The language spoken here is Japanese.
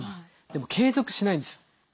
でも継続しないんです。